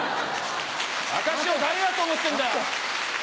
私を誰だと思ってんだ！